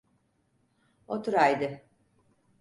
Otur haydi.